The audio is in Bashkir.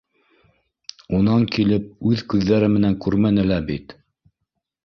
Унан килеп, үҙ күҙҙәре менән күрмәне лә бит